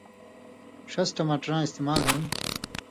ݜس ٹماٹراں استعمال ہِن